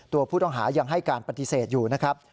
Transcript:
ตัวผู้ต้องหายังให้การปฏิเสธอยู่นะครับ